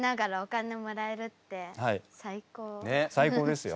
最高ですよ。